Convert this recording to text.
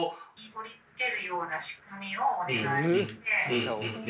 取り付けるような仕組みをお願いして。